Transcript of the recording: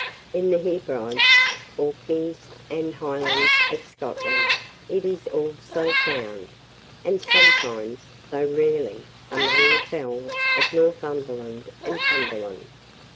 In the Hebrides, Orkneys, and the Highlands of Scotland, it is also found; and sometimes, though rarely, among the fells of Northumberland and Cumberland.